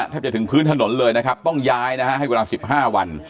จะถึงพื้นถนนเลยนะครับต้องย้ายนะฮะให้เวลา๑๕วัน